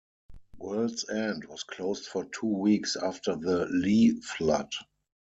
Worlds End was closed for two weeks after the Lee flood.